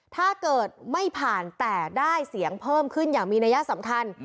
ถ้าเกิดไม่ผ่านแต่ได้เสียงเพิ่มขึ้นอย่างมีนัยสำคัญ